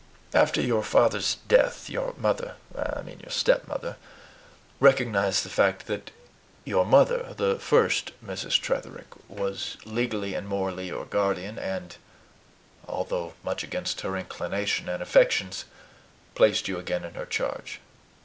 After your father's death, your mother I mean your stepmother recognized the fact that your mother, the first Mrs. Tretherick, was legally and morally your guardian and, although much against her inclination and affections, placed you again in her charge."